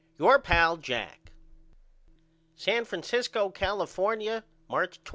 Your pal, JACK. San Francisco, California, March 20.